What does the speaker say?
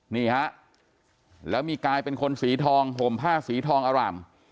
นี่ฮะแล้วมีกายเป็นคนสีทองห่มผ้าสีทองอร่ำ